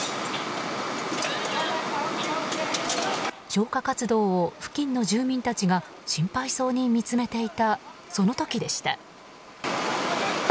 消火活動を付近の住民たちが心配そうに見つめていたその時でした。